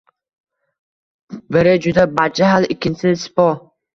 Biri juda badjahl, ikkinchisi sipo.